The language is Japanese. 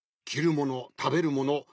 きるものたべるもの